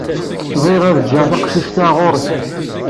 Bɣiɣ ad d-jjeɣ taqcict-a ɣer-k.